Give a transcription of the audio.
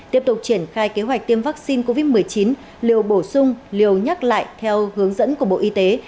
tiếp tục triển khai kế hoạch tiêm vaccine covid một mươi chín liều bổ sung liều nhắc lại theo hướng dẫn của bộ y tế